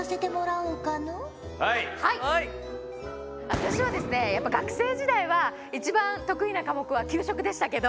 私はですねやっぱ学生時代は一番得意な科目は給食でしたけど。